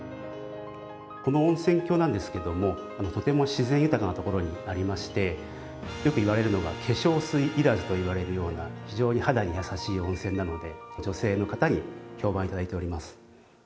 この温泉郷なんですけどもとても自然豊かなところにありましてよく言われるのが化粧水要らずと言われるような非常に肌に優しい温泉なので女性の方に評判いただいております。